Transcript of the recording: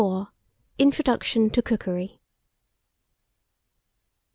INTRODUCTION TO COOKERY.